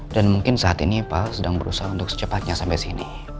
dan mungkin saat ini pak al sedang berusaha untuk secepatnya sampai sini